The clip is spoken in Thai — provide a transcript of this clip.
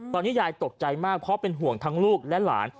ตอนนี้ยายตกใจมากเพราะเป็นห่วงทั้งลูกและหลาน